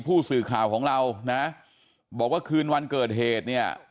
ผู้สื่อข่าวของเรานะบอกว่าคืนวันเกิดเหตุเนี่ย